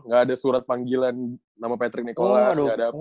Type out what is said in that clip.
gak ada surat panggilan nama patrick nicolas gak ada apa apa